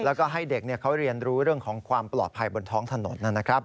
แล้วก็ให้เด็กเขาเรียนรู้เรื่องของความปลอดภัยบนท้องถนนนะครับ